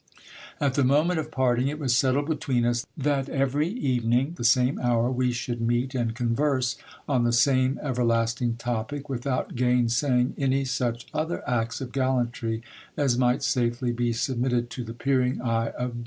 At the moment of parting, it was settled between us that every evening, at the same hour, we should meet and converse on the same everlasting topic, without gainsaying any such other acts of gallantry as might safely be submitted to the peering eye of day.